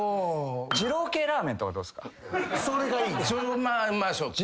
二郎系ラーメンとかどうっすか？